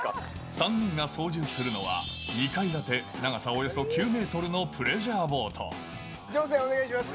３人が操縦するのは２階建て、長さおよそ９メートルのプレジャ乗船、お願いします。